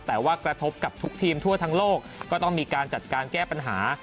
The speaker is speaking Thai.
แต่ว่ากระทบกับทุกทีมทั่วทั้งโลกก็ต้องมีการจัดการแก้ปัญหา